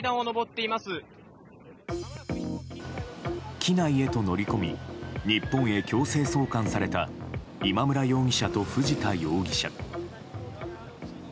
機内へと乗り込み日本へ強制送還された今村容疑者と藤田容疑者。